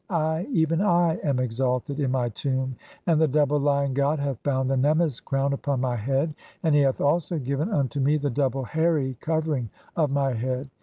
I, even I, am exalted (27) in my tomb, and the double "Lion god hath bound the nemmes crown upon my [head], and "he hath also given unto me the double hairy covering of my "head.